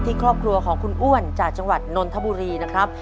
ครอบครัวของคุณอ้วนจากจังหวัดนนทบุรีนะครับ